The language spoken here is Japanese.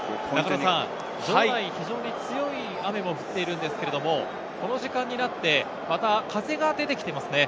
強い雨が降っているんですけれど、この時間になって風が出てきていますね。